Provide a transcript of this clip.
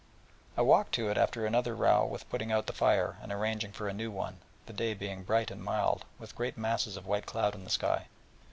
I walked to it after another row with putting out the fire and arranging for a new one, the day being bright and mild, with great masses of white cloud in the sky.